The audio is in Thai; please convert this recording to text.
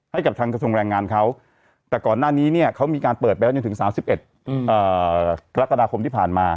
ให้กับทางกระทรวงแรงงานเขาแต่ก่อนหน้านี้เนี่ยเขามีการเปิดไปแล้วจนถึง๓๑กรกฎาคมที่ผ่านมา